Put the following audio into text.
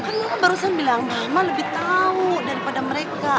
kan mama barusan bilang mama lebih tau daripada mereka